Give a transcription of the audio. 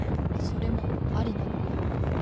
それもありなのね。